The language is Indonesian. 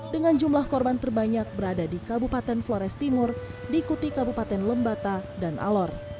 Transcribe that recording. dengan jumlah korban terbanyak berada di kabupaten flores timur diikuti kabupaten lembata dan alor